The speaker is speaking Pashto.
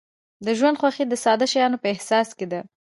د ژوند خوښي د ساده شیانو په احساس کې ده.